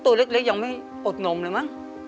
ตัวเล็กยังไม่อดนมเลยมั้ง